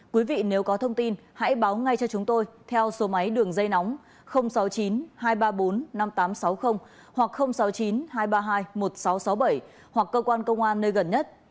quý vị nếu có thông tin hãy báo ngay cho chúng tôi theo số máy đường dây nóng sáu mươi chín hai trăm ba mươi bốn năm nghìn tám trăm sáu mươi hoặc sáu mươi chín hai trăm ba mươi hai một nghìn sáu trăm sáu mươi bảy hoặc cơ quan công an nơi gần nhất